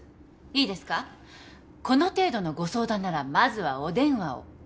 いいですかこの程度のご相談ならまずはお電話を。